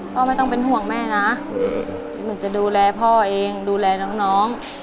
ไม่ต้องเป็นห่วงแม่นะหนูจะดูแลพ่อเองดูแลน้อง